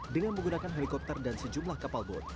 dengan menggunakan helikopter dan sejumlah kapal board